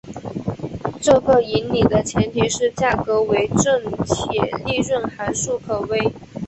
这个引理的前提是价格为正且利润函数可微。